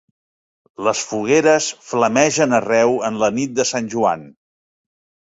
Les fogueres flamegen arreu en la nit de Sant Joan.